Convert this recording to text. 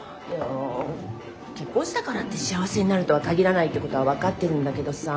結婚したからって幸せになるとは限らないってことは分かってるんだけどさ